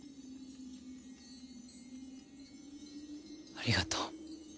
ありがとう。